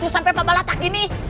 sampai balatak ini